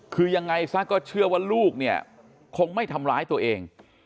คือยังไงซะก็เชื่อว่าลูกเนี่ยคงไม่ทำร้ายตัวเอง